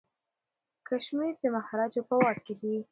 کشمیر د مهاراجا په واک کي دی.